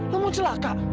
lo mau celaka